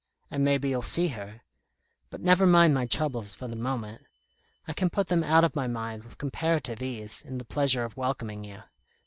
And maybe you'll see her. But never mind my troubles for the moment. I can put them out of my mind with comparative ease, in the pleasure of welcoming you.